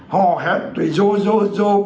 họ hẹn tùy dô dô dô